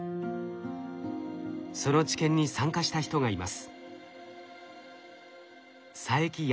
その治験に参加した人がいます。